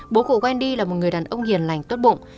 bố của wendy là một người đàn ông hiền lành tốt bụng